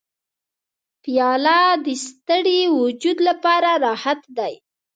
پیاله د ستړي وجود لپاره راحت دی.